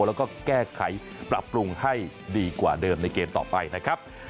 แล้วก็แก้ไขปรับปรุงให้ดีกว่าเดิมในเกมต่อไปนะครับ